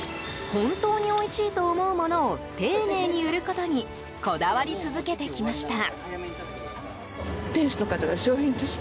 本当においしいと思うものを丁寧に売ることにこだわり続けてきました。